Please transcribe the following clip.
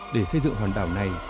để xây dựng hòn đảo này